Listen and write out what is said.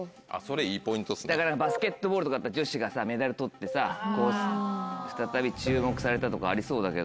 バスケットボールとかだったら女子がさメダル取ってさ再び注目されたとかありそうだけど。